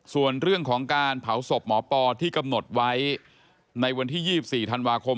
ส่วนเรื่องของการเผาศพหมอปอที่กำหนดไว้ในวันที่๒๔ธันวาคม